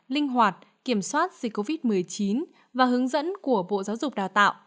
linh hoạt kiểm soát dịch covid một mươi chín và hướng dẫn của bộ giáo dục đào tạo